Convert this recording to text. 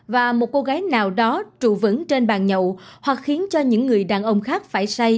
và một cô gái nào đó trụ vững trên bàn nhậu hoặc khiến cho những người đàn ông khác phải say